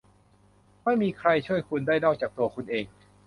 ไม่มีใครช่วยคุณได้นอกจากตัวคุณเอง